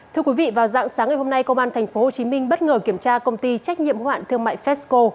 thưa quý vị vào dạng sáng ngày hôm nay công an tp hcm bất ngờ kiểm tra công ty trách nhiệm hoạn thương mại fesco